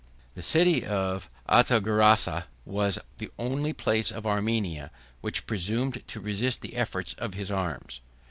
The city of Artogerassa 134 was the only place of Armenia 13411 which presumed to resist the efforts of his arms.